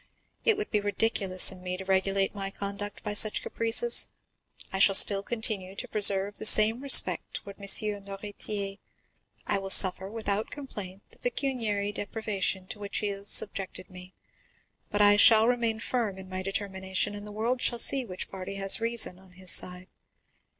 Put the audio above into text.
It would be ridiculous in me to regulate my conduct by such caprices. I shall still continue to preserve the same respect toward M. Noirtier; I will suffer, without complaint, the pecuniary deprivation to which he has subjected me; but I shall remain firm in my determination, and the world shall see which party has reason on his side.